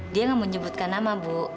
dia gak mau nyebutkan nama bu